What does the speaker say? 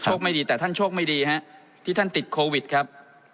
ไม่ดีแต่ท่านโชคไม่ดีฮะที่ท่านติดโควิดครับ